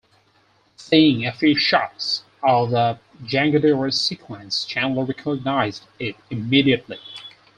Seeing a few shots of the "Jangadeiros" sequence, Chandler recognized it immediately.